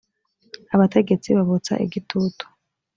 abategetsi babotsa igitutu